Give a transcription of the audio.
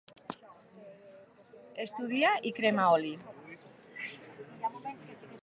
Estudia i crema oli.